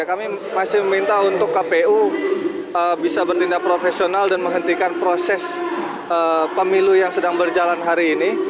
kami masih meminta untuk kpu bisa bertindak profesional dan menghentikan proses pemilu yang sedang berjalan hari ini